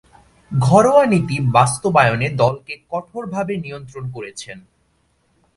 ঘরোয়া নীতি বাস্তবায়নে দলকে কঠোরভাবে নিয়ন্ত্রণ করেছেন।